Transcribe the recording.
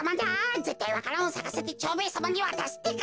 ぜったいわか蘭をさかせて蝶兵衛さまにわたすってか。